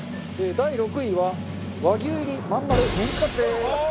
第６位は和牛入りまんまるメンチカツです。